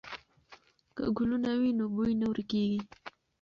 که ګلونه وي نو بوی نه ورکېږي.